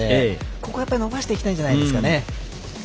ここは伸ばしていきたいんじゃないですかね。